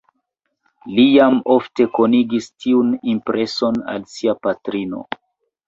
Li jam ofte konigis tiun impreson al sia patrino.